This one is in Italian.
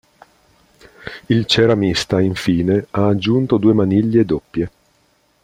Il ceramista infine ha aggiunto due maniglie doppie.